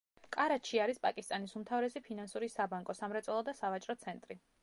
კარაჩი არის პაკისტანის უმთავრესი ფინანსური, საბანკო, სამრეწველო და სავაჭრო ცენტრი.